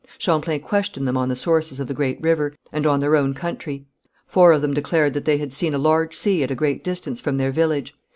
Champlain questioned them on the sources of the great river, and on their own country. Four of them declared that they had seen a large sea at a great distance from their village.